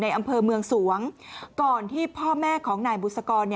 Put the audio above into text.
อำเภอเมืองสวงก่อนที่พ่อแม่ของนายบุษกร